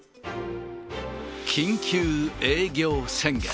緊急営業宣言。